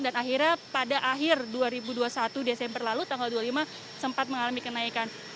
dan akhirnya pada akhir dua ribu dua puluh satu desember lalu tanggal dua puluh lima sempat mengalami kenaikan